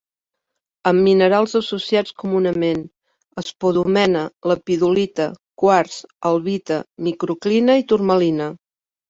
Amb minerals associats comunament: espodumena, lepidolita, quars, albita, microclina i turmalina.